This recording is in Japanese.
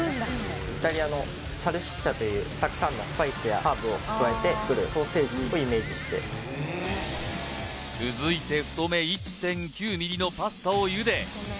イタリアのサルシッチャというたくさんのスパイスやハーブを加えて作るソーセージをイメージして続いて太め１．９ｍｍのパスタを茹で